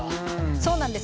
そうなんです。